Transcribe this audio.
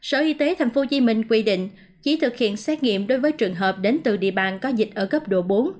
sở y tế tp hcm quy định chỉ thực hiện xét nghiệm đối với trường hợp đến từ địa bàn có dịch ở cấp độ bốn